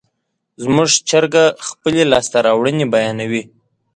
زموږ چرګه خپلې لاسته راوړنې بیانوي.